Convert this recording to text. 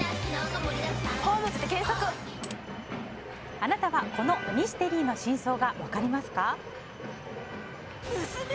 あなたは、このミステリーの真相が分かりますか？